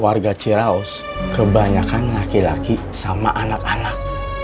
warga ciraus kebanyakan laki laki sama anak anak